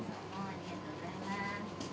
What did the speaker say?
ありがとうございます。